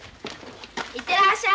行ってらっしゃい。